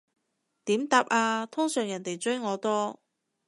點答啊，通常人哋追我多